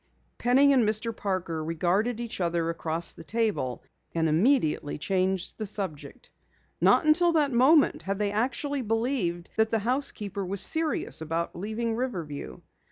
Penny and Mr. Parker regarded each other across the table, and immediately changed the subject. Not until that moment had they actually believed that the housekeeper was serious about leaving Riverview.